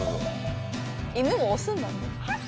犬も押すんだね。